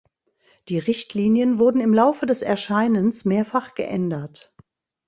Die Richtlinien wurden im Laufe des Erscheinens mehrfach geändert.